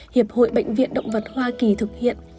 hiệp hội bệnh viện động vật hoa kỳ thực hiện